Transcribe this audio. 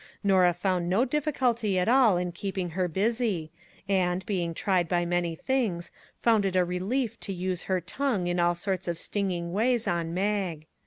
Norah found no difficulty at all in keeping her busy, and, being tried by many things, found it a relief to use her tongue in all sorts of stinging ways on Mag.